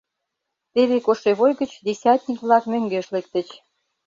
Теве кошевой гыч десятник-влак мӧҥгеш лектыч.